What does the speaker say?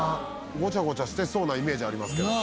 ごちゃごちゃしてそうなイメージありますけど。